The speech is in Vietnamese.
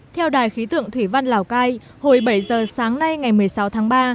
theo đài khí tượng thủy văn lào cai hồi bảy giờ sáng nay ngày một mươi sáu tháng ba